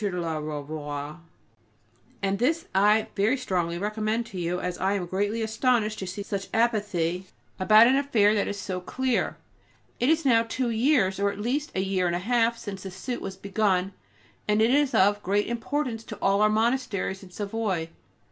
de la Ravoir, and this I very strongly recommend to you, as I am greatly astonished to see such apathy about an affair, that is so clear. It is now two years, or at least a year and a half, since the suit was begun, and it is of great importance to all our monasteries in Savoy.